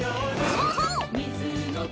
そうそう！